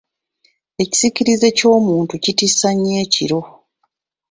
Ekisiikirize ky’omuntu kitiisa nnyo ekiro.